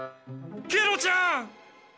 ケロちゃん！